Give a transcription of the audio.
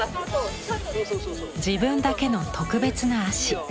自分だけの特別な足。